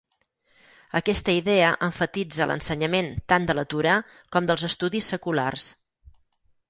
Aquesta idea emfatitza l'ensenyament tant de la Torà com dels estudis seculars.